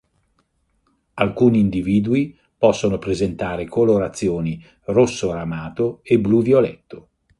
Alcuni individui possono presentare colorazioni rosso ramato e blu violetto.